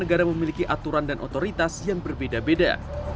negara memiliki aturan dan otoritas yang berbeda beda